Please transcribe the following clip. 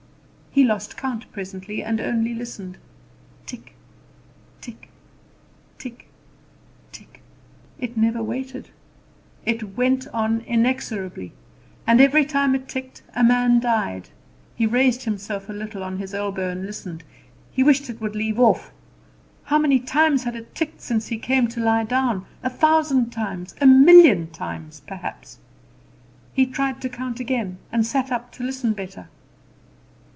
He lost count presently, and only listened. Tick tick tick tick! It never waited; it went on inexorably; and every time it ticked a man died! He raised himself a little on his elbow and listened. He wished it would leave off. How many times had it ticked since he came to lie down? A thousand times, a million times, perhaps. He tried to count again, and sat up to listen better.